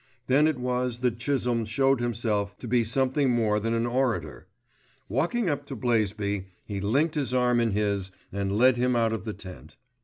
Then it was that Chisholme showed himself to be something more than an orator. Walking up to Blaisby he linked his arm in his, and led him out of the tent.